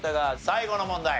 最後の問題。